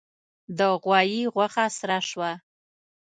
د غوايي غوښه سره شوه.